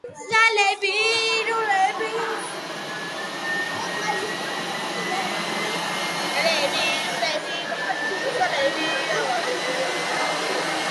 სემიტური სიმბოლოს სახელი იყო ზაინ, რაც სავარაუდოდ ნიშნავდა იარაღს და მეშვიდე ასო იყო.